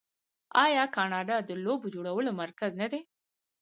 آیا کاناډا د لوبو جوړولو مرکز نه دی؟